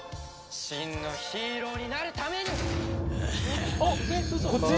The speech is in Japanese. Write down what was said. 真のヒーローになるために！